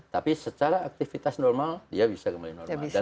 tapi secara aktivitas normal dia bisa kembali normal